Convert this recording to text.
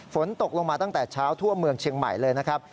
ฝนตกลงมาตั้งแต่เช้าทั่วเมืองเชียงใหม่เลยนะครับ